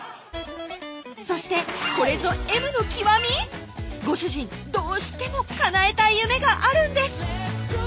そしてこれぞＭの極み⁉ご主人どうしてもかなえたい夢があるんです